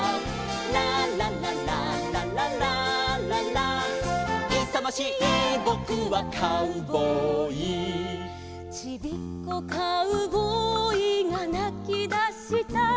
「ラララララララララ」「いさましいぼくはカウボーイ」「ちびっこカウボーイがなきだした」